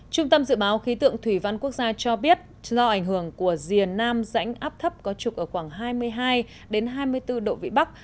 trung tâm dự báo khí tượng thủy văn quốc gia cho biết do ảnh hưởng của rìa nam rãnh áp thấp có trục ở khoảng hai mươi hai hai mươi bốn độ vị bắc